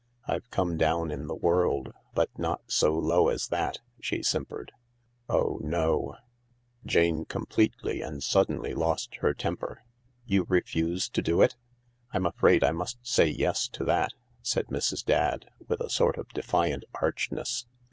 I've come down in the world, but not so low as that," she simpered. "Oh no!" 192 THE LARK Jane completely and suddenly lost her temper. "You refuse to do it ?"" I'm afraid I must say yes to that," said Mrs. Dadd, with a sort of defiant archness.